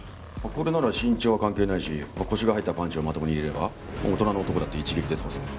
これなら身長は関係ないし腰が入ったパンチをまともに入れれば大人の男だって一撃で倒せる。